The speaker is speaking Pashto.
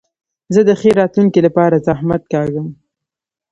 زه د ښې راتلونکي له پاره زحمت کاږم.